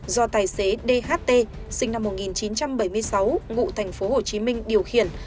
do tài xế dht sinh năm một nghìn chín trăm bảy mươi sáu ngụ thành phố hồ chí minh điều khiển